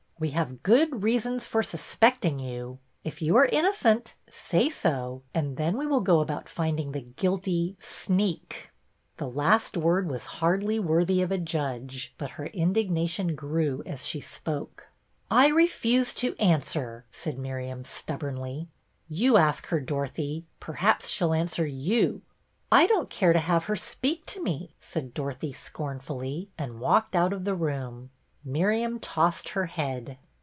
We have good reasons for suspecting you. If you are innocent say so, and then we will go about finding the guilty — sneak." The last word was hardly worthy A FEAST — NEW TEACHER 177 of a judge, but her indignation grew as she spoke. " I refuse to answer," said Miriam, stub bornly. " You ask her, Dorothy. Perhaps she 'll answer you." " I don't care to have her speak to me," said Dorothy, scornfully, and walked out of the room. Miriam tossed her head.